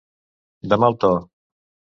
De mal to.